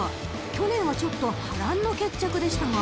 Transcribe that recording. ［去年はちょっと波乱の決着でしたが］